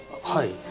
はい。